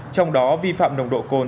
trong đó vi phạm nồng độ cồn